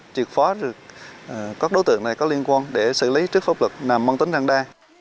truyệt phó các đối tượng này có liên quan để xử lý trước pháp luật nằm mong tính ràng đa